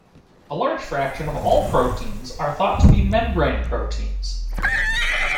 A large fraction of all proteins are thought to be membrane proteins.